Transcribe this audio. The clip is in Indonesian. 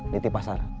di ti pasar